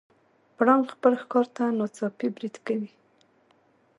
پړانګ خپل ښکار ته ناڅاپي برید کوي.